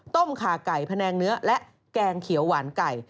ขาไก่แผนงเนื้อและแกงเขียวหวานไก่